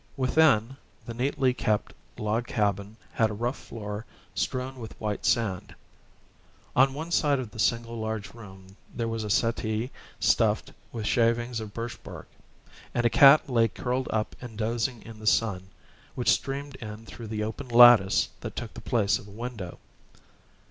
Within, the neatly kept log cabin had a rough floor strewn with white sand. On one side of the single large room there was a settee stuffed with shavings of birch bark; and a cat lay curled up and dozing in the sun, which streamed in through the open lattice that took the place of a window.